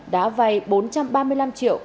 đã vai bốn trăm ba mươi năm triệu